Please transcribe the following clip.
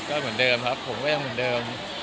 ก็เหมือนเดิมครับผมก็ยังเหมือนเดิม